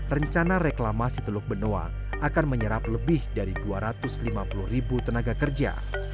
rencana reklamasi teluk benoa akan menyerap lebih dari dua ratus lima puluh ribu tenaga kerja